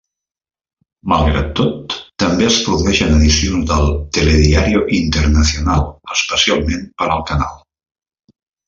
Malgrat tot, també es produeixen edicions del "Telediario Internacional" especialment per al canal.